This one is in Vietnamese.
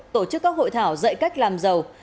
tổ chức các hội thảo dạy cách làm giàu